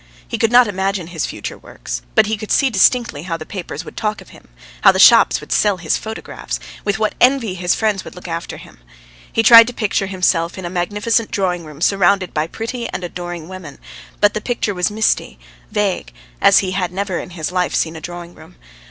He could not imagine his future works but he could see distinctly how the papers would talk of him, how the shops would sell his photographs, with what envy his friends would look after him. He tried to picture himself in a magnificent drawing room surrounded by pretty and adoring women; but the picture was misty, vague, as he had never in his life seen a drawing room.